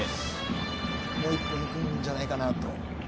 もう一本行くんじゃないかなと。